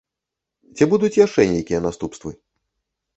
Ці будуць яшчэ нейкія наступствы?